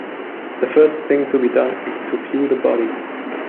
The first thing to be done is to view the body.